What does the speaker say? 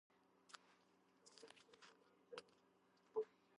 გეგმით უაბსიდო, სწორკუთხა მოხაზულობისაა.